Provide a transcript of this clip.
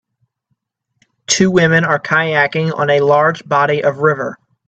Two women are kayaking on a large body of river.